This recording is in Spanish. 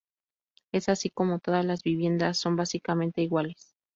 Es así como todas las viviendas son básicamente iguales.